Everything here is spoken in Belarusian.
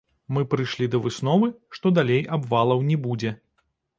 Мы прыйшлі да высновы, што далей абвалаў не будзе.